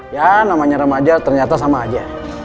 ya namanya remaja ternyata sama aja